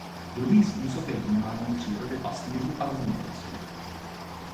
Druhý způsob je vnímání přírody pastýřů a zemědělců.